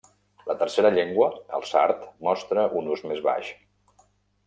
La tercera llengua, el sard, mostra un ús més baix.